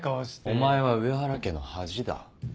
お前は上原家の恥だ。